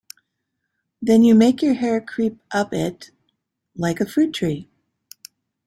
Then you make your hair creep up it, like a fruit-tree.